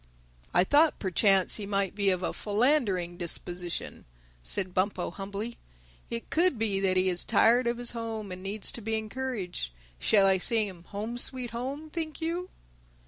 "I thought perchance he might be of a philandering disposition," said Bumpo humbly. "It could be that he is tired of his home and needs to be encouraged. Shall I sing him 'Home Sweet Home,' think you?"